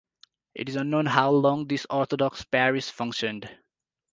It is unknown how long this Orthodox parish functioned.